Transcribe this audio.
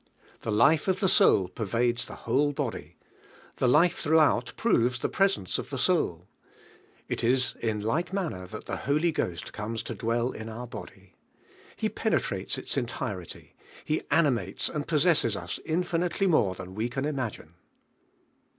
The life of the soul pervades the whole body; the life throughout proves the presence of the soul. It is in like manner that ttie Holy Ghost comes to dwell in our body. He penetrates its entirety. He animates and possesses us infinitely more than we can imagine.